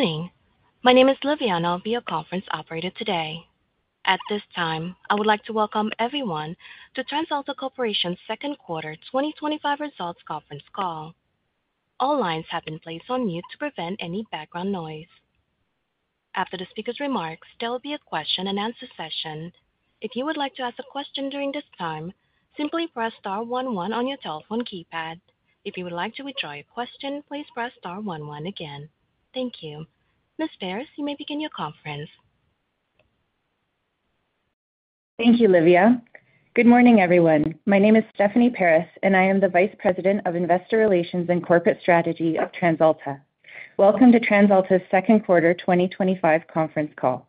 Good morning. My name is Livia and I'll be your conference operator today. At this time, I would like to welcome everyone to TransAlta Corporation's second quarter 2025 results conference call. All lines have been placed on mute to prevent any background noise. After the speakers' remarks, there will be a question and answer session. If you would like to ask a question during this time, simply press Star one one on your telephone keypad. If you would like to withdraw your question, please press Star one one again. Thank you, Ms. Paris. You may begin your conference. Thank you, Livia. Good morning, everyone. My name is Stephanie Paris and I am the Vice President, Investor Relations and Corporate Strategy of TransAlta. Welcome to TransAlta's second quarter 2025 conference call.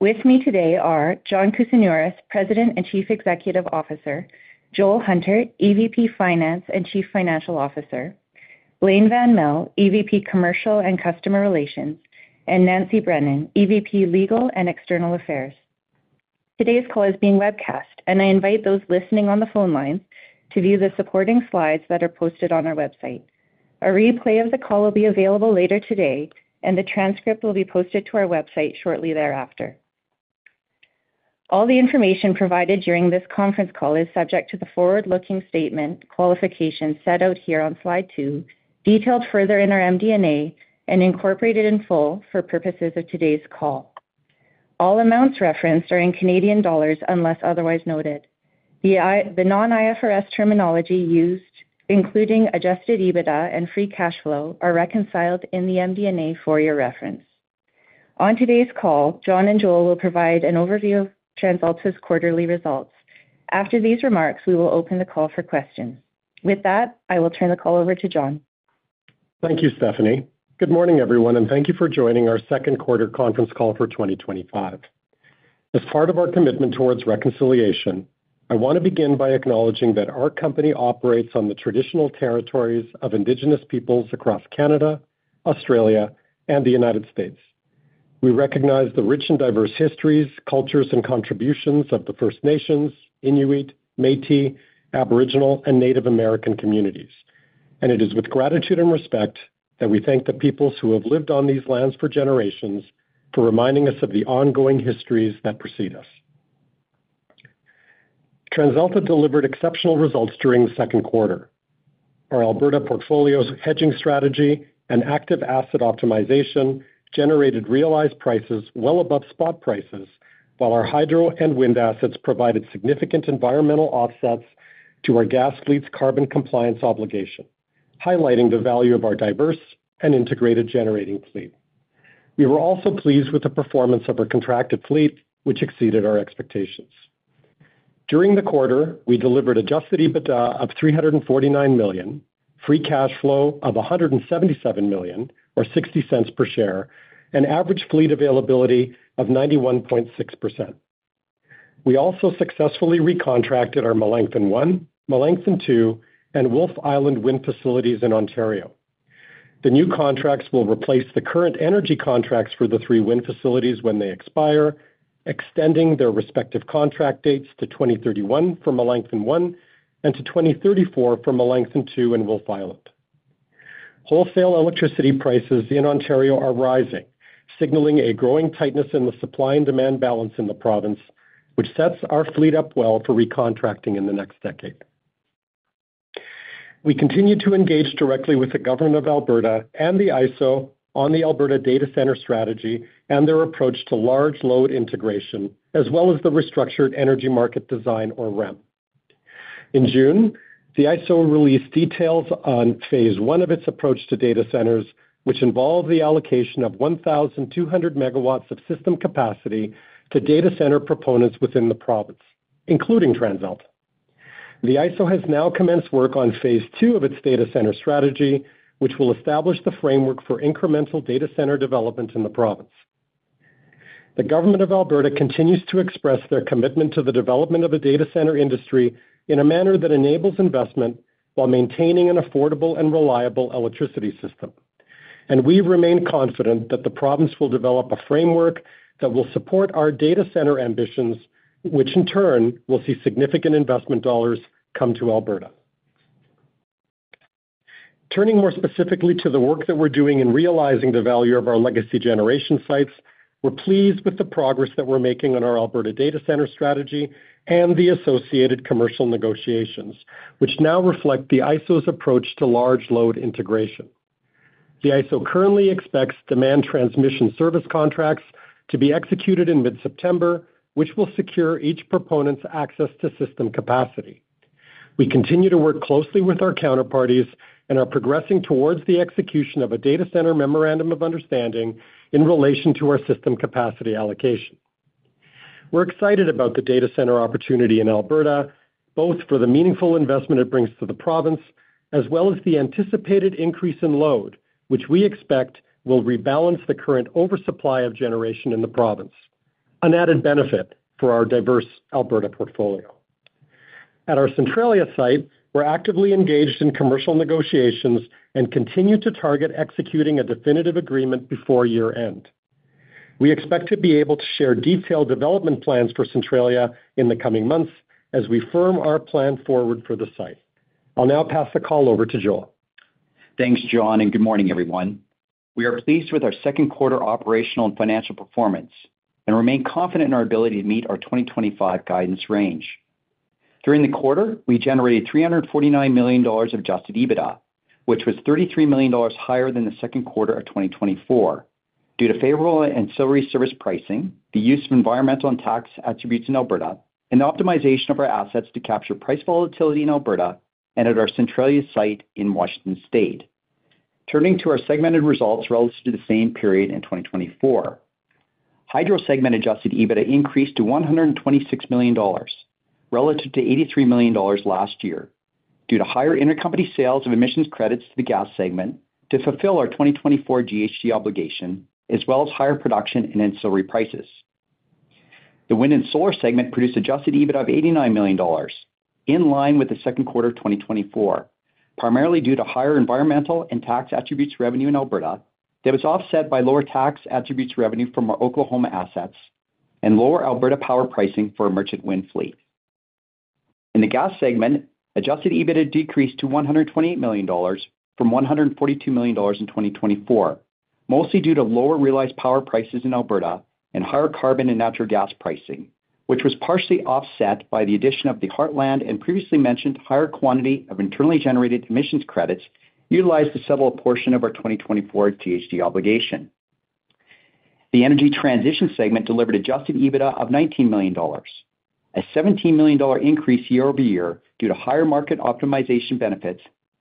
With me today are John Kousinioris, President and Chief Executive Officer, Joel Hunter, Executive Vice President, Finance and Chief Financial Officer, Blain van Melle, Executive Vice President, Commercial and Customer Relations, and Nancy Brennan, Executive Vice President, Legal and External Affairs. Today's call is being webcast and I invite those listening on the phone lines to view the supporting slides that are posted on our website. A replay of the call will be available later today and the transcript will be posted to our website shortly thereafter. All the information provided during this conference call is subject to the forward-looking statement qualifications set out here on slide two, detailed further in our MD&A and incorporated in full for purposes of today's call. All amounts referenced are in Canadian dollars unless otherwise noted. The non-IFRS terminology used, including Adjusted EBITDA and Free cash flow, are reconciled in the MD&A for your reference. On today's call, John and Joel will provide an overview of TransAlta's quarterly results. After these remarks, we will open the call for questions. With that, I will turn the call over to John. Thank you, Stephanie. Good morning everyone and thank you for joining our second quarter conference call for 2025. As part of our commitment towards reconciliation, I want to begin by acknowledging that our company operates on the traditional territories of Indigenous peoples across Canada, Australia, and the United States. We recognize the rich and diverse histories, cultures, and contributions of the First Nations, Inuit, Métis, Aboriginal, and Native American communities. It is with gratitude and respect that we thank the peoples who have lived on these lands for generations for reminding us of the ongoing histories that precede us. TransAlta delivered exceptional results during the second quarter. Our Alberta portfolio's hedging strategy and active asset optimization generated realized prices well above spot prices, while our hydro and wind assets provided significant environmental offsets to our gas fleet's carbon compliance obligation, highlighting the value of our diverse and integrated generating fleet. We were also pleased with the performance of our contracted fleet, which exceeded our expectations. During the quarter, we delivered Adjusted EBITDA of 349 million, Free cash flow of 177 million or 0.60 per share, and average fleet availability of 91.6%. We also successfully recontracted our Melancthon 1, Melancthon 2, and Wolfe Island wind facilities in Ontario. The new contracts will replace the current energy contracts for the three wind facilities when they expire, extending their respective contract dates to 2031 for Melancthon 1 and to 2034 for Melancthon 2 and Wolfe Island. Wholesale electricity prices in Ontario are rising, signaling a growing tightness in the supply and demand balance in the province, which sets our fleet up well for recontracting in the next decade. We continue to engage directly with the Government of Alberta and the Alberta Electric System Operator on the Alberta data center strategy and their approach to large load integration as well as the restructured energy market design, or REM. In June, the Alberta Electric System Operator released details on Phase I of its approach to data centers, which involved the allocation of 1,200 megawatts of system capacity to data center proponents within the province, including TransAlta. The Alberta Electric System Operator has now commenced work on Phase II of its data center strategy, which will establish the framework for incremental data center development in the province. The Government of Alberta continues to express their commitment to the development of a data center industry in a manner that enables investment while maintaining an affordable and reliable electricity system, and we remain confident that the province will develop a framework that will support our data center ambitions, which in turn will see significant investment dollars come to Alberta. Turning more specifically to the work that we're doing in realizing the value of our legacy generation sites, we're pleased with the progress that we're making on our Alberta data center strategy and the associated commercial negotiations, which now reflect the AESO's approach to large load integration. The AESO currently expects Demand Transmission Service contracts to be executed in mid September, which will secure each proponent's access to system capacity. We continue to work closely with our counterparties and are progressing towards the execution of a data center Memorandum of Understanding in relation to our system capacity allocation. We're excited about the data center opportunity in Alberta, both for the meaningful investment it brings to the province as well as the anticipated increase in load, which we expect will rebalance the current oversupply of generation in the province, an added benefit for our diverse Alberta portfolio. At our Centralia site, we're actively engaged in commercial negotiations and continue to target executing a definitive agreement before year end. We expect to be able to share detailed development plans for Centralia in the coming months as we firm our plan forward for the site. I'll now pass the call over to Joel. Thanks John and good morning everyone. We are pleased with our second quarter operational and financial performance and remain confident in our ability to meet our 2025 guidance range. During the quarter we generated 349 million dollars of Adjusted EBITDA, which was 33 million dollars higher than the second quarter of 2024 due to favorable ancillary service pricing, the use of environmental and tax attributes in Alberta, and the optimization of our assets to capture price volatility in Alberta and at our Centralia site in Washington State. Turning to our segmented results relative to the same period in 2024, hydro segment Adjusted EBITDA increased to 126 million dollars relative to 83 million dollars last year due to higher intercompany sales of emissions credits to the gas segment to fulfill our 2024 GHG Obligation as well as higher production and ancillary prices. The wind and solar segment produced Adjusted EBITDA of 89 million dollars in line with the second quarter 2024, primarily due to higher environmental and tax attributes revenue in Alberta that was offset by lower tax attributes revenue from our Oklahoma assets and lower Alberta power pricing for a merchant wind fleet. In the gas segment, Adjusted EBITDA decreased to 128 million dollars from 142 million dollars in 2024, mostly due to lower realized power prices in Alberta and higher carbon and natural gas pricing, which was partially offset by the addition of the Heartland and previously mentioned higher quantity of internally generated emissions credits utilized to settle a portion of our 2024 GHG Obligation. The Energy Transition segment delivered Adjusted EBITDA of 19 million dollars, a 17 million dollar increase year over year due to higher market optimization benefits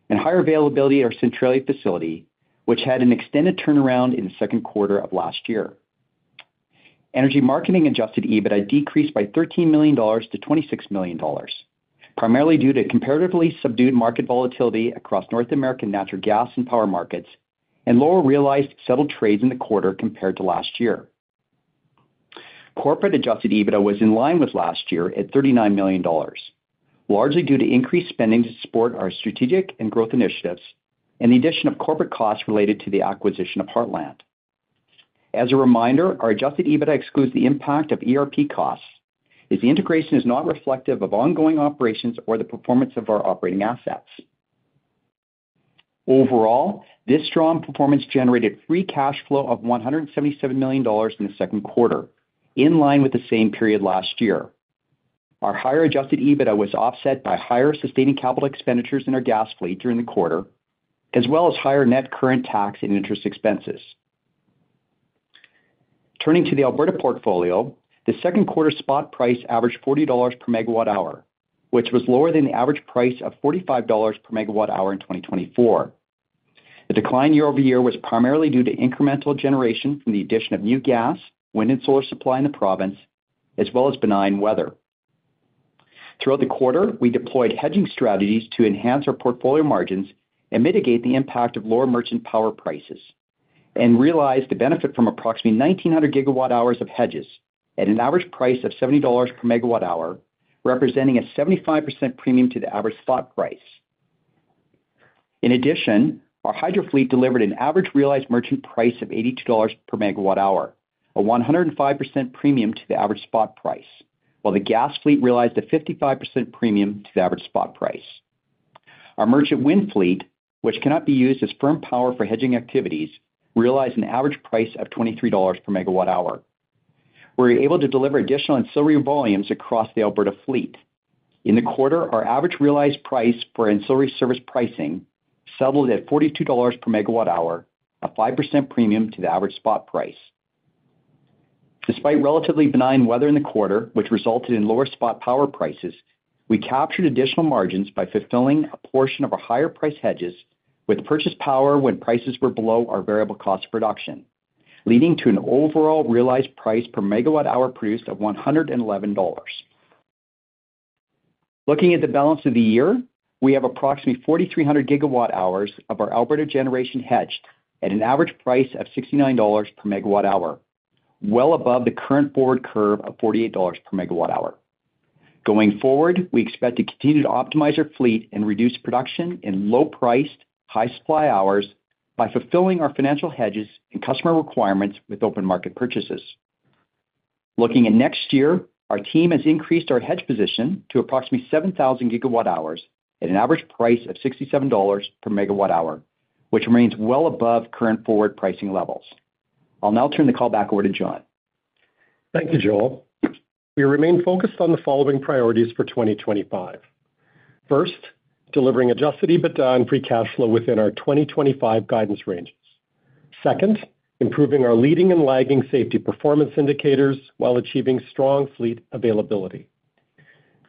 and higher availability at our Centralia facility, which had an extended turnaround in the second quarter of last year. Energy marketing Adjusted EBITDA decreased by 13 million dollars to 26 million dollars, primarily due to comparatively subdued market volatility across North American natural gas and power markets and lower realized settled trades in the quarter compared to last year. Corporate Adjusted EBITDA was in line with last year at 39 million dollars, largely due to increased spending to support our strategic and growth initiatives and the addition of corporate costs related to the acquisition of Heartland. As a reminder, our Adjusted EBITDA excludes the impact of ERP costs as the integration is not reflective of ongoing operations or the performance of our operating assets. Overall, this strong performance generated Free cash flow of 177 million dollars in the second quarter, in line with the same period last year. Our higher Adjusted EBITDA was offset by higher sustaining capital expenditures in our gas fleet during the quarter, as well as higher net current tax and interest expenses. Turning to the Alberta portfolio, the second quarter spot price averaged 40 dollars per megawatt hour, which was lower than the average price of 45 dollars per megawatt hour in 2024. The decline year over year was primarily due to incremental generation from the addition of new gas, wind, and solar supply in the province, as well as benign weather. Throughout the quarter, we deployed hedging strategies to enhance our portfolio margins and mitigate the impact of lower merchant power prices and realized the benefit from approximately 1,900 GW hours of hedges at an average price of 70 dollars per megawatt hour, representing a 75% premium to the average spot price. In addition, our hydro fleet delivered an average realized merchant price of 82 dollars per megawatt hour, a 105% premium to the average spot price, while the gas fleet realized a 55% premium to the average spot price. Our merchant wind fleet, which cannot be used as firm power for hedging activities, realized an average price of 23 dollars per megawatt hour. We were able to deliver additional ancillary volumes across the Alberta fleet in the quarter. Our average realized price for ancillary service pricing settled at 42 dollars per megawatt hour, a 5% premium to the average spot price. Despite relatively benign weather in the quarter, which resulted in lower spot power prices, we captured additional margins by fulfilling a portion of our higher price hedges with purchase power when prices were below our variable cost of production, leading to an overall realized price per megawatt hour produced of 111 dollars. Looking at the balance of the year, we have approximately 4,300 GWh of our Alberta generation hedged at an average price of 69 dollars per megawatt hour, well above the current forward curve of 48 dollars per megawatt hour. Going forward, we expect to continue to optimize our fleet and reduce production in low-priced, high-supply hours by fulfilling our financial hedges and customer requirements with open market purchases. Looking at next year, our team has increased our hedge position to approximately 7,000 GWh at an average price of 67 dollars per megawatt hour, which remains well above current forward pricing levels. I'll now turn the call back over to John. Thank you, Joel. We remain focused on the following priorities for 2025. First, delivering Adjusted EBITDA and Free cash flow within our 2025 guidance ranges. Second, improving our leading and lagging safety performance indicators while achieving strong fleet availability.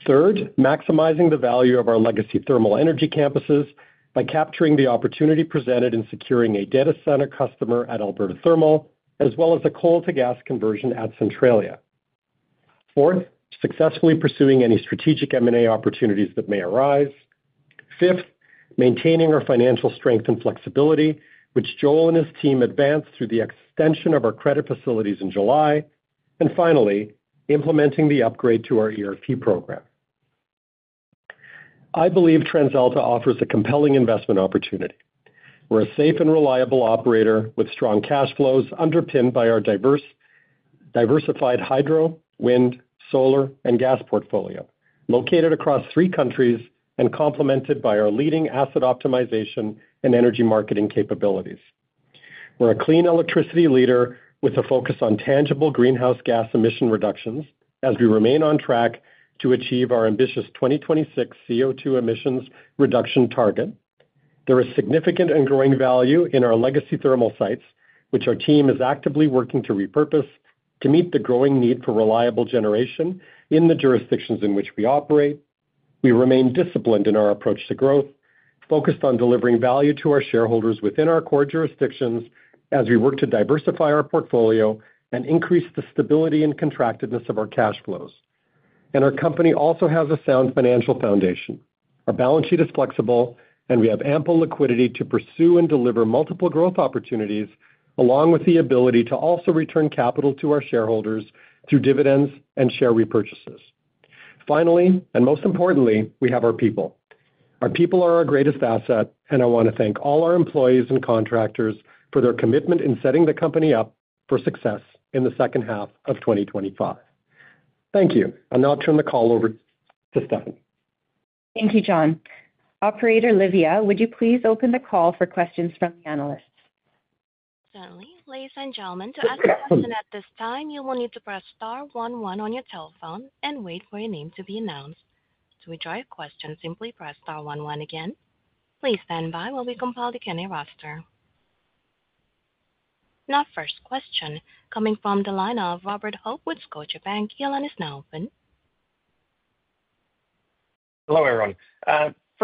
Third, maximizing the value of our legacy thermal energy campuses by capturing the opportunity presented in securing a data center customer at Alberta Thermal as well as a coal-to-gas conversion at Centralia. Fourth, successfully pursuing any strategic M&A opportunities that may arise. Fifth, maintaining our financial strength and flexibility, which Joel and his team advanced through the extension of our credit facilities in July, and finally, implementing the upgrade to our ERP Program. I believe TransAlta offers a compelling investment opportunity. We're a safe and reliable operator with strong cash flows underpinned by our diversified hydro, wind, solar, and gas portfolio located across three countries and complemented by our leading asset optimization and energy marketing capabilities. We're a clean electricity leader with a focus on tangible greenhouse gas emission reductions as we remain on track to achieve our ambitious 2026 CO2 Emissions Reduction target. There is significant and growing value in our legacy thermal sites, which our team is actively working to repurpose to meet the growing need for reliable generation in the jurisdictions in which we operate. We remain disciplined in our approach to growth, focused on delivering value to our shareholders within our core jurisdictions as we work to diversify our portfolio and increase the stability and contractiveness of our cash flows. Our company also has a sound financial foundation. Our balance sheet is flexible and we have ample liquidity to pursue and deliver multiple growth opportunities, along with the ability to also return capital to our shareholders through dividends and share repurchases. Finally, and most importantly, we have our people. Our people are our greatest asset. I want to thank all our employees and contractors for their commitment in setting the company up for success in the second half of 2025. Thank you. I'll now turn the call over to Stephanie. Thank you, John. Operator. Livia, would you please open the call for questions from the analysts? Certainly, Ladies and gentlemen, to ask a question at this time, you will need to press Star 11 on your telephone and wait for your name to be announced. To withdraw your question, simply press Star 11 again. Please stand by while we compile the queue. Now, first question coming from the line of Robert Hope with Scotiabank. The line is now open. Hello everyone.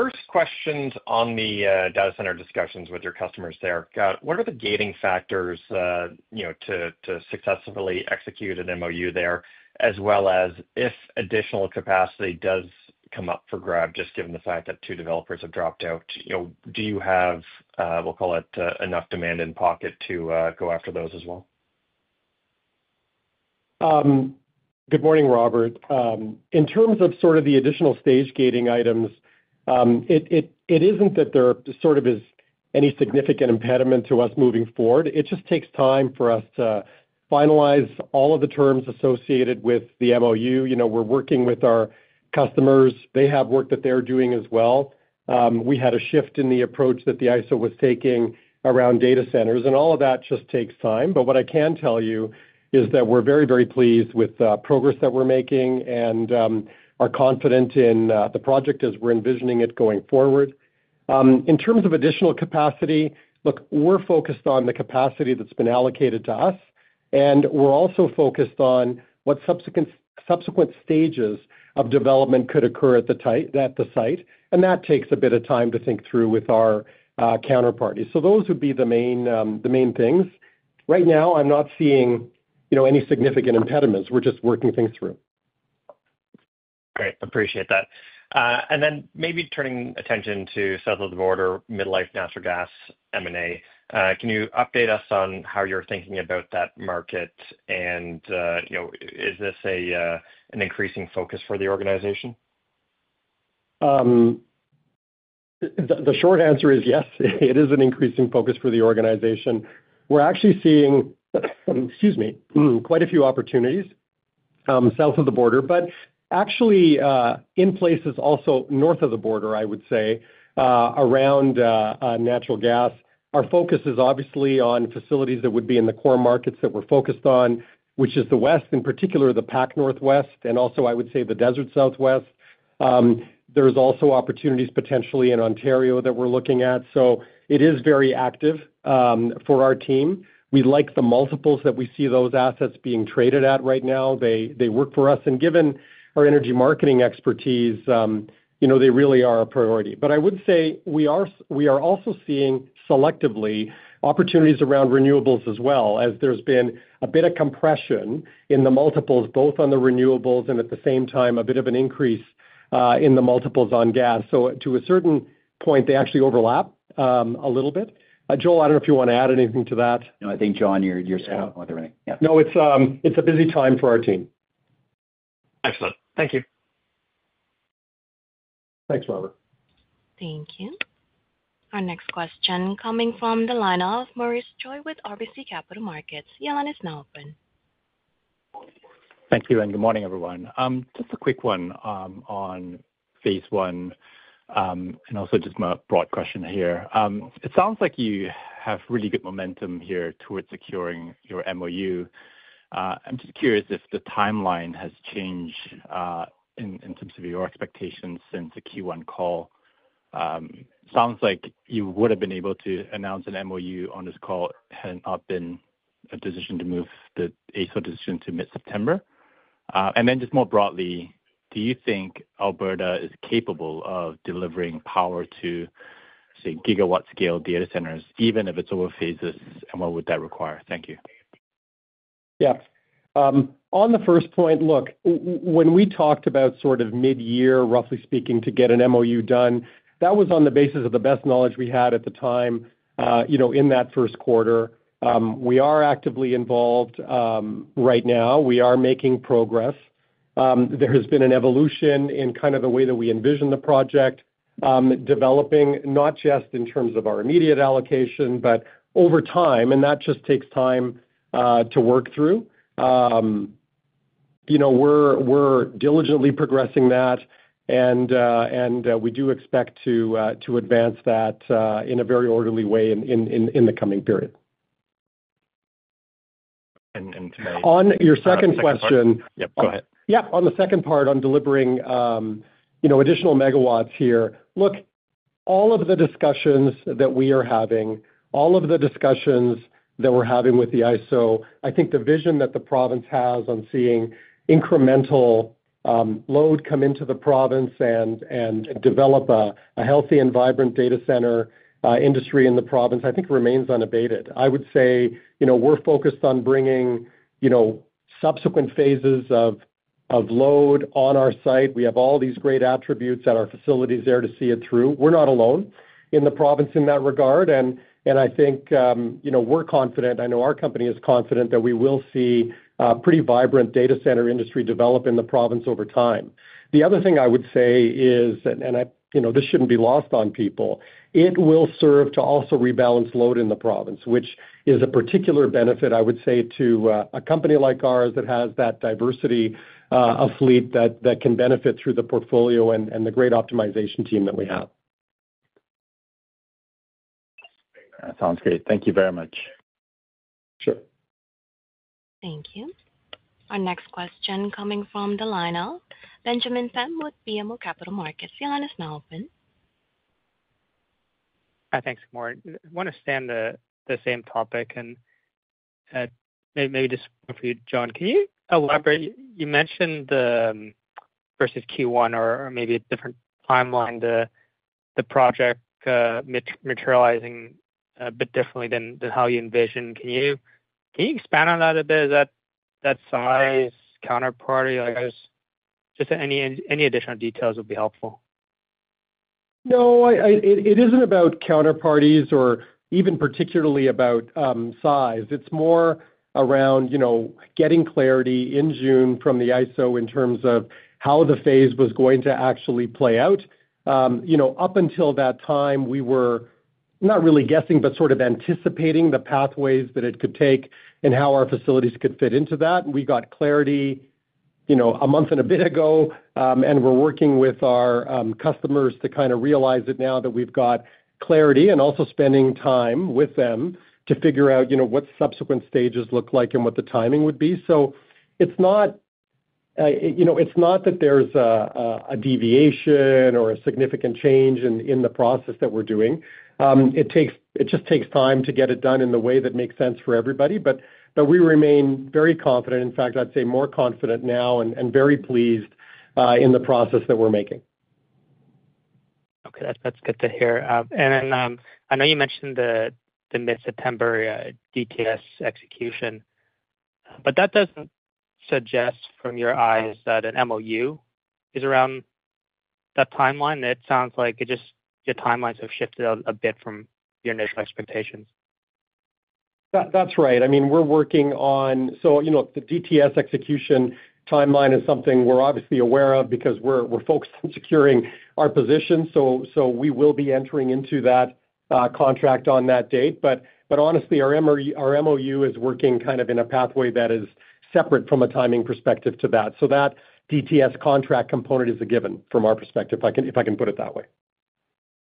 First question on the data center discussions. With your customers there. What are the gating factors to successfully. Execute a Memorandum of Understanding there as well. If additional capacity does come up for grab, just given the fact that two developers have dropped out, do you have, we'll call it, enough demand in pocket? To go out after those as well. Good morning, Robert. In terms of the additional stage gating items, it isn't that there is any significant impediment to us moving forward. It just takes time for us to finalize all of the terms associated with the Memorandum of Understanding. We're working with our customers. They have work that they're doing as well. We had a shift in the approach that the Alberta Electric System Operator was taking around data centers, and all of that just takes time. What I can tell you is that we're very, very pleased with the progress that we're making and are confident in the project as we're envisioning it going forward. In terms of additional capacity, we're focused on the capacity that's been allocated to us and we're also focused on what subsequent stages of development could occur at the site. That takes a bit of time to think through with our team. Those would be the main things. Right now, I'm not seeing any significant impediments. We're just working things through. Great. Appreciate that. Maybe turning attention to south of the border midlife natural gas. Can you update us on how you're thinking about that market and is this an increasing focus for the organization? The short answer is yes, it is an increasing focus for the organization. We're actually seeing quite a few opportunities south of the border, but actually in places also north of the border, I would say around natural gas. Our focus is obviously on facilities that would be in the core markets that we're focused on, which is the West, in particular the Pac Northwest, and also, I would say, the desert Southwest. There are also opportunities potentially in Ontario that we're looking at. It is very active for our team. We like the multiples that we see those assets being traded at right now. They work for us. Given our energy marketing expertise, they really are a priority. I would say we are also seeing selectively opportunities around renewables as well, as there's been a bit of compression in the multiples both on the renewables and at the same time a bit of an increase in the multiples on gas. To a certain point, they actually overlap a little bit. Joel, I don't know if you want to add anything to that. No, I think, John, you're right. No, it's a busy time for our team. Excellent. Thank you. Thanks, Robert. Thank you. Our next question coming from the line of Maurice Choy with RBC Capital Markets. Your line is now open. Thank you, and good morning everyone. Just a quick one on phase I. I also just have my broad question here. It sounds like you have really good. Momentum here towards securing your MOU. I'm just curious if the timeline has changed in terms of your expectations since the Q1 call. Sounds like you would have been able to announce a Memorandum of Understanding on this call. Had it not been decision to move the AESO decision to mid September. More broadly, do you Think Alberta is capable of delivering power to, say, gigawatt scale data centers even. If it's over phases? What would that require? Thank you. Yeah, on the first point, look, when we talked about sort of mid-year, roughly speaking, to get an MOU done, that was on the basis of the best knowledge we had at the time. In that first quarter, we are actively involved right now. We are making progress. There has been an evolution in the way that we envision the project developing, not just in terms of our immediate allocation but over time. That just takes time to work through. We're diligently progressing that, and we do expect to advance that in a very orderly way in the coming period. On your second question. Yep. On the second part on delivering additional megawatts here, look, all of the discussions that we are having, all of the discussions that we're having with the AESO, I think the vision that the province has on seeing incremental load come into the province and develop a healthy and vibrant data center industry in the province, I think remains unabated. I would say we're focused on bringing subsequent phases of load on our site. We have all these great attributes at our facility there to see it through. We're not alone in the province in that regard, and I think we're confident, I know our company is confident that we will see a pretty vibrant data center industry develop in the province over time. The other thing I would say is, and this shouldn't be lost on people, it will serve to also rebalance load in the province, which is a particular benefit, I would say, to a company like ours that has that diversity of fleet that can benefit through the portfolio and the great optimization team that we have. Sounds great. Thank you very much. Sure. Thank you. Our next question coming from Benjamin Pham with BMO Capital Markets. The line is now open. Thanks, Kamor. Want to stay on the same topic and maybe just for you, John, can you elaborate? You mentioned versus Q1 or maybe a different timeline. The project materializing a bit differently than how you envisioned. Can you expand on that a bit? Is that size counterparty just? Any additional details would be helpful. No, it isn't about counterparties or even particularly about size. It's more around getting clarity in June from the AESO in terms of how the phase was going to actually play out. Up until that time, we were not really guessing, but anticipating the pathways that it could take and how our facilities could fit into that. We got clarity, you know, a month and a bit ago, and we're working with our customers to kind of realize it now that we've got clarity and also spending time with them to figure out, you know, what subsequent stages look like and what the timing would be. It's not that there's a deviation or a significant change in the process that we're doing. It just takes time to get it done in the way that makes sense for everybody. We remain very confident. In fact, I'd say more confident now and very pleased in the process that we're making. Okay, that's good to hear. I know you mentioned the mid-September DTS execution, but that doesn't suggest from your eyes that an MOU is around that timeline. It sounds like your timelines have shifted a bit from your initial expectations. That's right. We're working on it. The DTS execution timeline is something we're obviously aware of because we're focused on securing our position. We will be entering into that contract on that date. Honestly, our MOU is working kind of in a pathway that is separate from a timing perspective to that. That DTS contract component is a given from our perspective, if I can put it that way.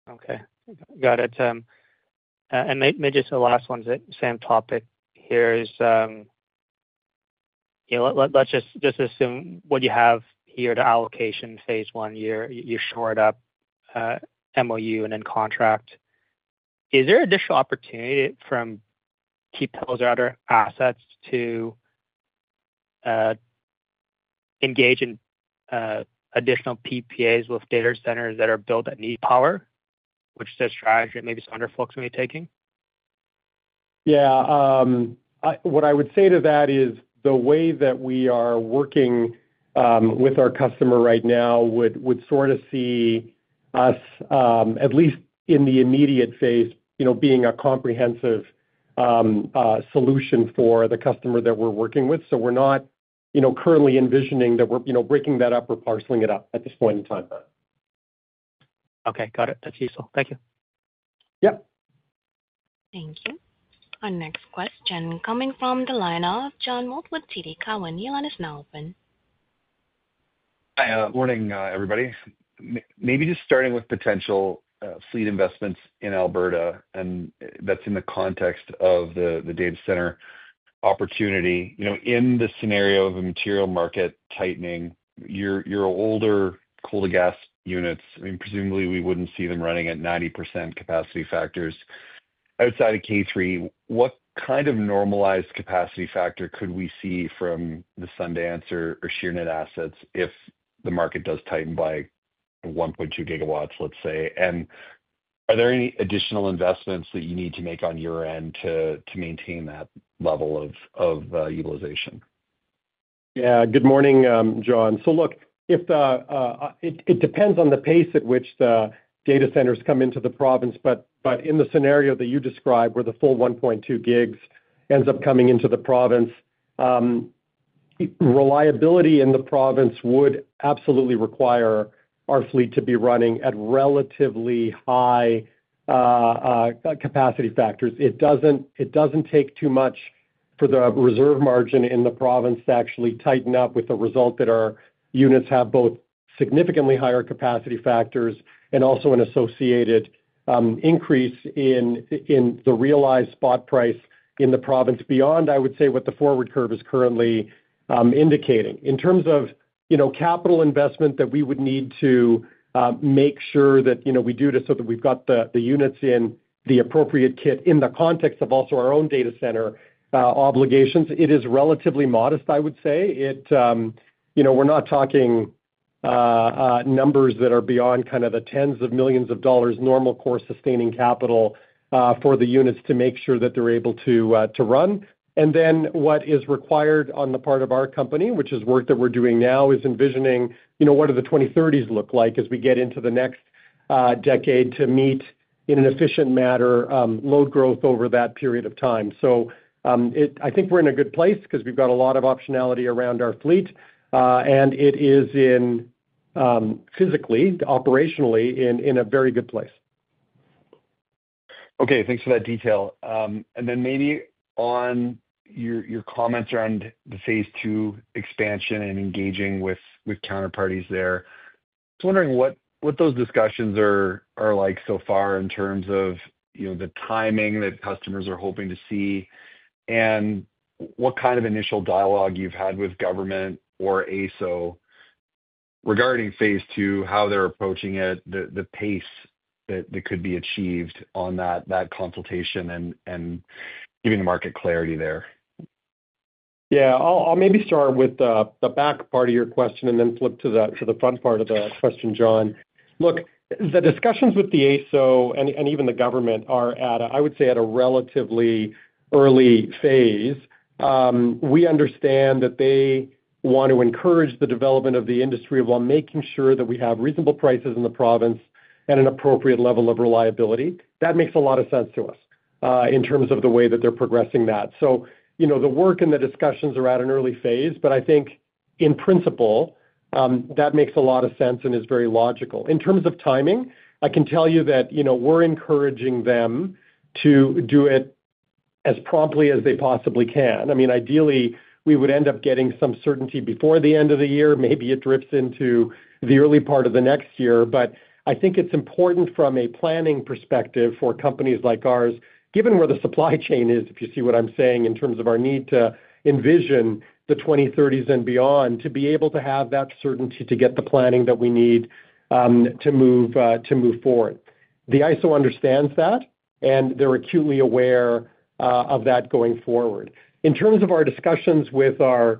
Okay, got it. Maybe just the last one. Same topic here, let's just assume what you have here, the allocation phase. One year, you shored up MOU, and then contract. Is there additional opportunity from Keephills or other assets to engage in additional PPAs with data centers that are built that need power, which is a strategy that maybe some other folks may be taking? What I would say to that is the way that we are working with our customer right now would sort of see us at least in the immediate phase, being a comprehensive solution for the customer that we're working with. We're not currently envisioning that we're breaking that up or parceling it up at this point in time. Okay, got it. That's useful. Thank you. Yep. Thank you. Our next question coming from the line of John Mould with TD Cowen. The line is now open. Hi. Morning, everybody. Maybe just starting with potential fleet investments in Alberta, and that's in the context of the data center opportunity. In the scenario of a material market tightening, your older coal-to-gas units, presumably we wouldn't see them running at 90% capacity factors outside of K3. What kind of normalized capacity factor could we see from the Sundance or Sheerness assets if the market does tighten by 1.2 GW, let's say. Are there any additional investments that you need to make on your end to maintain that level of utilization? Yeah. Good morning, John. If it depends on the pace at which the data centers come into the province, in the scenario that you described, where the full 1.2 GW ends up coming into the province, reliability in the province would absolutely require our fleet to be running at relatively high capacity factors. It does not take too much for the reserve margin in the province to actually tighten up, with the result that our units have both significantly higher capacity factors and also an associated increase in the realized spot price in the province beyond, I would say, what the forward curve is currently indicating. In terms of capital investment that we would need to make sure that we do this so that we've got the units in the appropriate kit, in the context of also our own data center obligations, it is relatively modest. I would say we're not talking numbers that are beyond the tens of millions of dollars, normal core sustaining capital for the units to make sure that they're able to run. What is required on the part of our company, which is work that we're doing now, is envisioning what do the 2030s look like as we get into the next decade to meet in an efficient manner load growth over that period of time. I think we're in a good place because we've got a lot of optionality around our fleet, and it is, physically and operationally, in a very good place. Okay, thanks for that detail. Maybe on your comments around the phase II expansion and engaging with counterparties there, wondering what those discussions are like so far in terms of the timing that customers are hoping to see and what kind of initial dialogue you've had with government or Alberta Electric System Operator regarding phase II, how they're approaching it, the pace that could be achieved on that consultation, and giving the market clarity there. Yeah, I'll maybe start with the back part of your question and then flip to the front part of the question, John. Look, the discussions with the AESO and even the government are at, I would say, at a relatively early phase. We understand that they want to encourage the development of the industry while making sure that we have reasonable prices in the province and an appropriate level of reliability. That makes a lot of sense to us in terms of the way that they're progressing that. The work and the discussions are at an early phase. I think in principle, that makes a lot of sense and is very logical in terms of timing. I can tell you that we're encouraging them to do it as promptly as they possibly can. Ideally, we would end up getting some certainty before the end of the year. Maybe it drifts into the early part of the next year. I think it's important from a planning perspective for companies like ours, given where the supply chain is, if you see what I'm saying, in terms of our need to envision the 2030s and beyond to be able to have that certainty, to get the planning that we need to move forward. The AESO understands that and they're acutely aware of that going forward. In terms of our discussions with our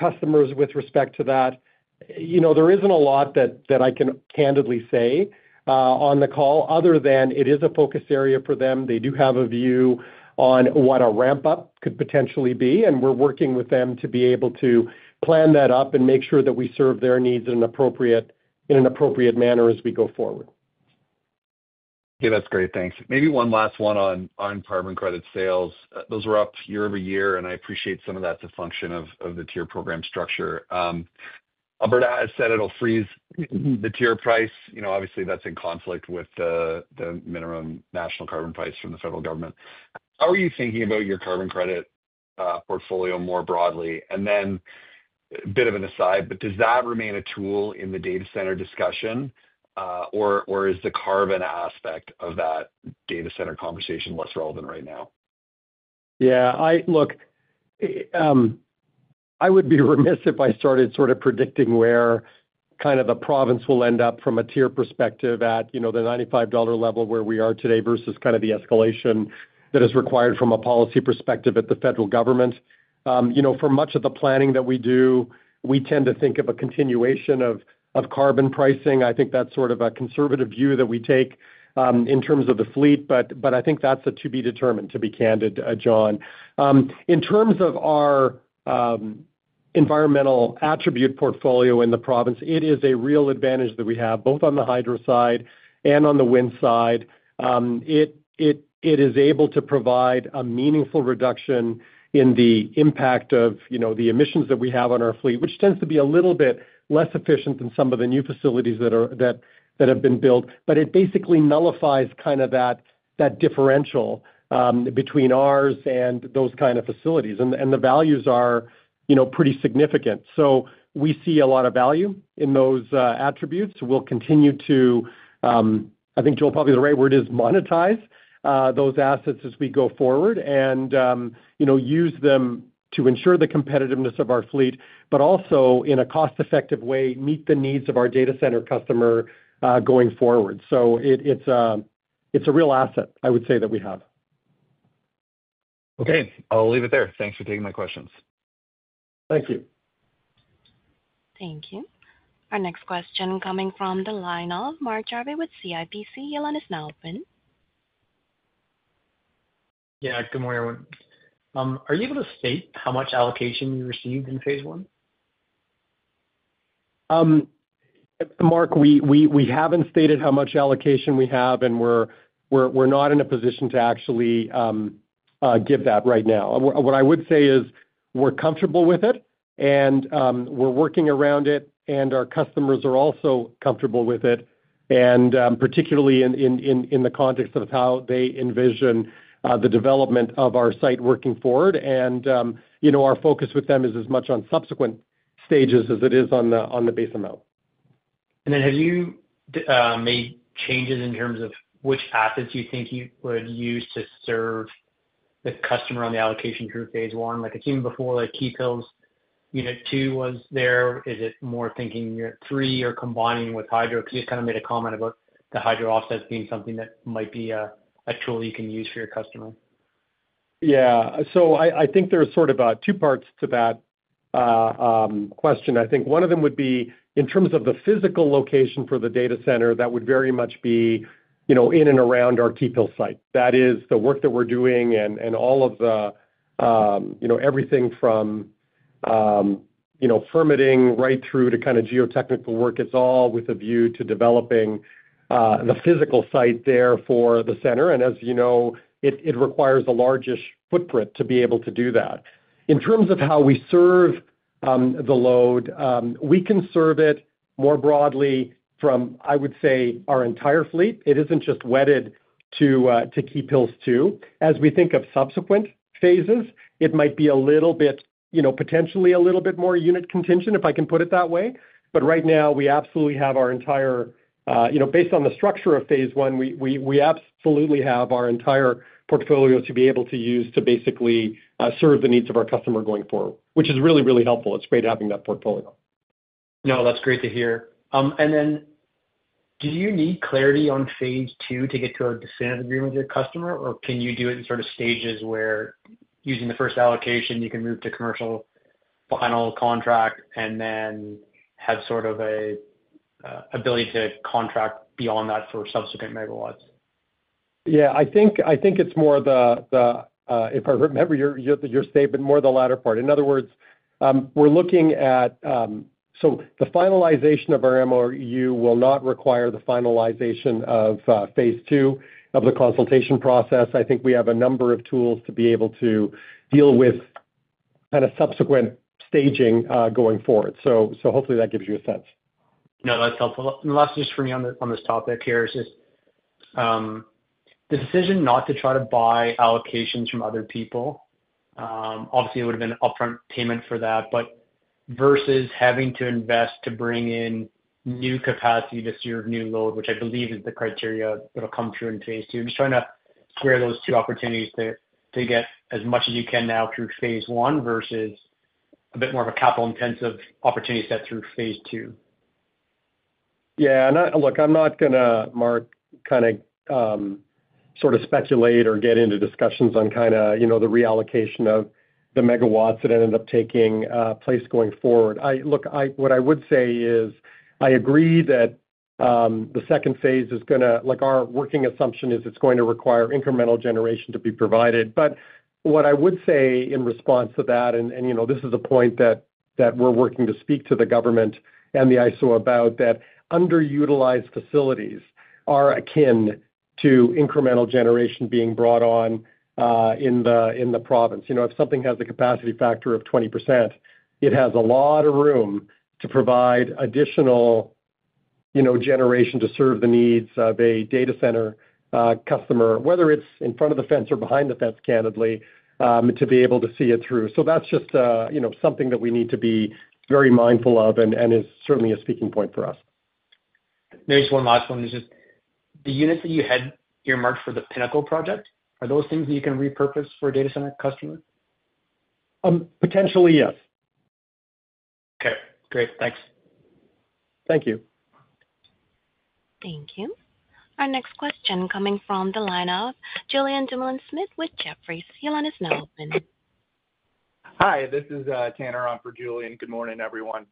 customers with respect to that, there isn't a lot that I can candidly say on the call other than it is a focus area for them. They do have a view on what a ramp up could potentially be, and we're working with them to be able to plan that up and make sure that we serve their needs in an appropriate manner as we go forward. Okay, that's great. Thanks. Maybe one last one. On carbon credit sales, those are up year over year, and I appreciate some of that's a function of the TIER program structure. Alberta has said it'll freeze the TIER price. Obviously, that's in conflict with the minimum national carbon price from the federal government. How are you thinking about your carbon credit portfolio more broadly? A bit of an aside, but does that remain a tool in the data center discussion, or is the carbon aspect of that data center conversation less relevant right now? Yeah, look, I would be remiss if I started sort of predicting where kind of the province will end up from a tier perspective at the 95 dollar level where we are today, versus kind of the escalation that is required from a policy perspective at the federal government. For much of the planning that we do, we tend to think of a continuation of carbon pricing. I think that's sort of a conservative view that we take in terms of the fleet. I think that's a to be determined. To be candid, John, in terms of our environmental attribute portfolio in the province, it is a real advantage that we have both on the hydro side and on the wind side. It is able to provide a meaningful reduction in the impact of the emissions that we have on our fleet, which tends to be a little bit less efficient than some of the new facilities that have been built. It basically nullifies kind of that differential between ours and those kind of facilities. The values are pretty significant. We see a lot of value in those attributes. We'll continue to, I think, Joel, probably the right word is monetize those assets as we go forward and use them to ensure the competitiveness of our fleet, but also in a cost effective way meet the needs of our data center customer going forward. It's a real asset, I would say that we have. Okay, I'll leave it there. Thanks for taking my questions. Thank you. Thank you. Our next question coming from the line of Mark Jarvi with CIBC. Your line is now open. Yeah, good morning everyone. Are you able to state how much allocation you received in phase I? Mark, we haven't stated how much allocation we have, and we're not in a position to actually give that right now. What I would say is we're comfortable with it, we're working around it, and our customers are also comfortable with it, particularly in the context of how they envision the development of our site working forward. Our focus with them is as much on subsequent stages as it is on the base amount. Have you made changes in terms of which assets you think you would use to serve the customer on the allocation through phase I, like I seen before, like Keephills Unit Two was there, is it more thinking Unit three or combining with hydro? You kind of made a comment about the hydro offsets being something that might be a tool you can use for your customer. Yeah, I think there's sort of two parts to that question. I think one of them would be in terms of the physical location for the data center. That would very much be, you know, in and around our Keephills site. That is the work that we're doing and all of the, you know, everything from permitting right through to kind of geotechnical work, it's all with a view to developing the physical site there for the center. As you know, it requires a large-ish footprint to be able to do that. In terms of how we serve the load, we can serve it more broadly from, I would say, our entire fleet. It isn't just wedded to Keephills. As we think of subsequent phases, it might be a little bit, you know, potentially a little bit more unit contingent, if I can put it that way. Right now we absolutely have our entire, you know, based on the structure of phase I, we absolutely have our entire portfolio to be able to use to basically serve the needs of our customer going forward, which is really, really helpful. It's great having that portfolio. No, that's great to hear. Do you need clarity on phase II to get to a dissent agreement with your customer, or can you do it in stages where, using the first allocation, you can move to commercial final contract and then have an ability to contract beyond that for subsequent megawatts? I think it's more the, if I remember your statement, more the latter part. In other words, we're looking at the finalization of our Memorandum of Understanding will not require the finalization of phase II of the consultation process. I think we have a number of tools to be able to deal with subsequent staging going forward. Hopefully that gives you a sense. No, that's helpful. The last, just for me on this topic here is just. The decision. Not to try to buy allocations from other people. Obviously, it would have been upfront payment for that, but versus having to invest to bring in new capacity to serve new load, which I believe is the criteria that will come through in phase II. Just trying to square those two opportunities to get as much as you can now through phase I versus a bit more of a capital intensive opportunity set through phase II. Yeah, look, I'm not going to speculate or get into discussions on the reallocation of the megawatts that ended up taking place going forward. What I would say is I agree that the second phase is going to, like our working assumption is it's going to require incremental generation to be provided. What I would say in response to that, and this is a point that we're working to speak to the government and the AESO about, is that underutilized facilities are akin to incremental generation being brought on in the province. If something has a capacity factor of 20%, it has a lot of room to provide additional generation to serve the needs of a data center customer, whether it's in front of the fence or behind the fence, candidly, to be able to see it through. That's just something that we need to be very mindful of and is certainly a speaking point for us. There's one last one. The units that you had earmarked for the Pinnacle project, are those things that you can repurpose for a data center customer? Potentially, yes. Okay, great. Thanks. Thank you. Thank you. Our next question coming from the line of Julien Dumoulin-Smith with Jefferies. Your line is now open. Hi, this is Tanner on for Julien. Good morning, everyone.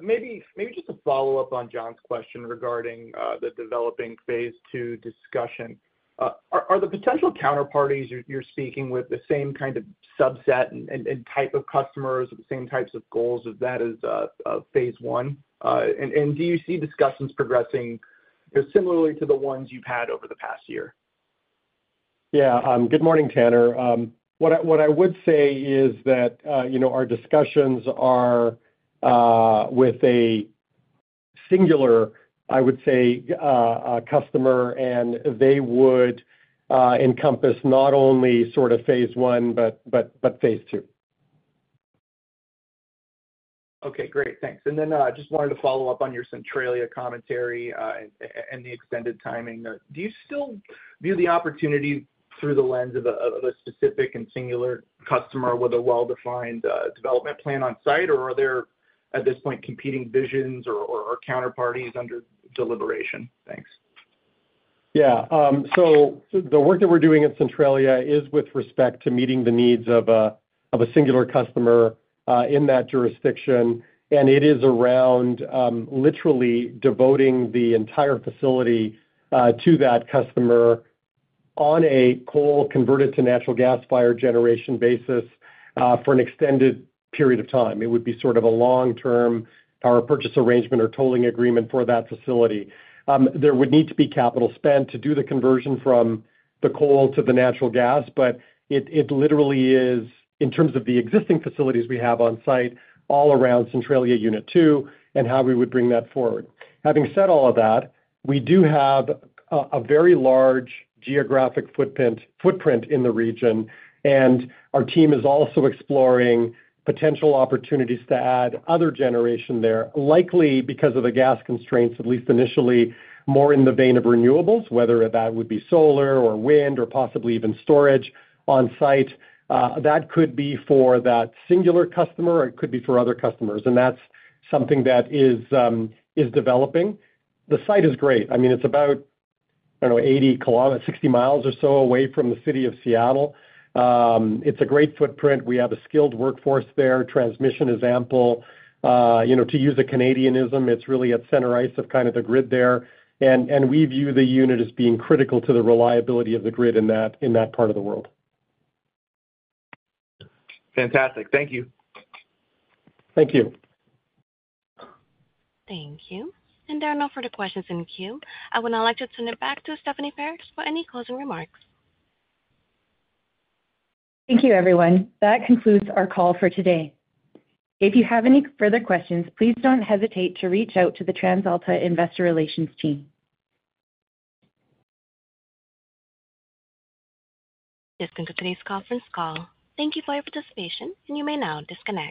Maybe just a follow-up on John's question regarding the developing phase II discussion. Are the potential counterparties you're speaking with the same kind of subset and type of customers, the same types of goals as phase I? Do you see discussions progressing similarly to the ones you've had over the past year? Yeah. Good morning, Tanner. What I would say is that our discussions are with a singular, I would say, customer, and they would encompass not only sort of phase I, but phase II. Okay, great, thanks. I just wanted to follow up on your Centralia commentary and the extended timing. Do you still view the opportunity through the lens of a specific and singular customer with a well-defined development plan? On site, or are there at this? Point competing visions or counterparties under deliberation? Thanks. Yeah, the work that we're doing in Centralia is with respect to meeting the needs of a singular customer in that jurisdiction. It is around literally devoting the entire facility to that customer on a coal-to-gas converted generation basis for an extended period of time. It would be a long-term power purchase arrangement or tolling agreement for that facility. There would need to be capital spent to do the conversion from coal to natural gas. It literally is, in terms of the existing facilities we have on site, all around Centralia unit 2 and how we would bring that forward. Having said all of that, we do have a very large geographic footprint in the region. Our team is also exploring potential opportunities to add other generation there, likely because of the gas constraints, at least initially, more in the vein of renewables, whether that would be solar power or wind power or possibly even storage on site. That could be for that singular customer or it could be for other customers. That's something that is developing. The site is great. It's about 80 kilometers, 60 miles or so away from the city of Seattle. It's a great footprint. We have a skilled workforce there. Transmission is ample, to use a Canadianism. It's really at center ice of the grid there. We view the unit as being critical to the reliability of the grid in that part of the world. Fantastic. Thank you. Thank you. Thank you. There are no further questions in queue. I would now like to turn it back to Stephanie Paris for any closing remarks. Thank you, everyone. That concludes our call for today. If you have any further questions, please don't hesitate to reach out to the TransAlta investor relations team. This concludes today's conference call. Thank you for your participation, and you may now disconnect.